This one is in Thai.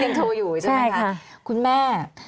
โทรอยู่ใช่ไหมคะคุณแม่